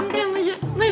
om pemotretannya gimana om